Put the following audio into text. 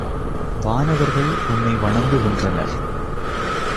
வானவர்கள் உன்னை வணங்குகின்றனர்.